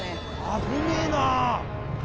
危ねえなー。